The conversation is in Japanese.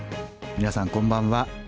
皆さんこんばんは。